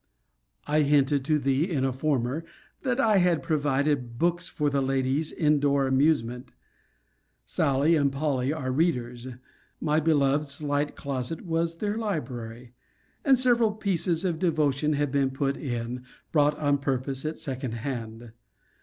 I hinted to thee in a former,* that I had provided books for the lady's in door amusement. Sally and Polly are readers. My beloved's light closet was their library. And several pieces of devotion have been put in, bought on purpose at second hand.